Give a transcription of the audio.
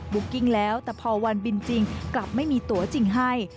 กิ้งแล้วแต่พอวันบินจริงกลับไม่มีตัวจริงให้